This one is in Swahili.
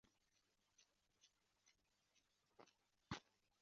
Alisomea elimu ya ufundi wa Kibiolojia katika maabara.